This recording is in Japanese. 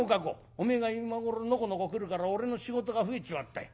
おめえが今頃のこのこ来るから俺の仕事が増えちまったよ。